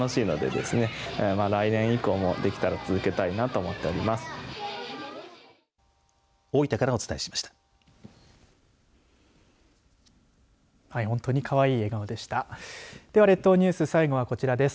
では列島ニュース最後はこちらです。